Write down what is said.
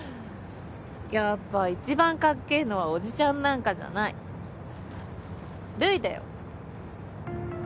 やっぱ一番かっけぇのは叔父ちゃんなんかじゃないルイだよ。